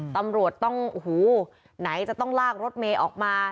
ตำรวจต้องโอ้โหไหนจะต้องลากรถเมย์ออกมา